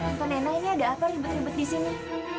atau nenek ini ada apa ribet ribet di sini